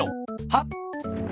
はっ。